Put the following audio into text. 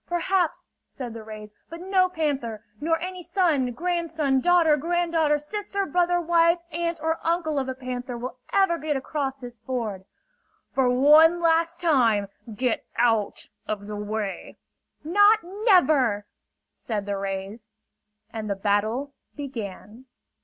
"Perhaps," said the rays; "but no panther, nor any son, grandson, daughter, granddaughter, sister, brother, wife, aunt or uncle of a panther will ever get across this ford! "For one last time, get out of the way!" "Not never!" said the rays. And the battle began.